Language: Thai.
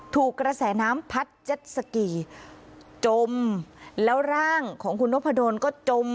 ถูกกระแสน้ำพัดเจ็ดสกีจมแล้วร่างของคุณนพดลก็จม